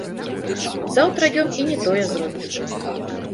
Заўтра ён і не тое зробіць.